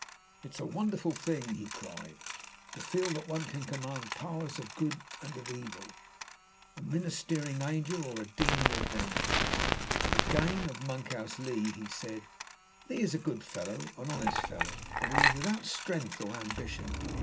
"It is a wonderful thing," he cried, "to feel that one can command powers of good and of evil a ministering angel or a demon of vengeance." And again, of Monkhouse Lee, he said, "Lee is a good fellow, an honest fellow, but he is without strength or ambition.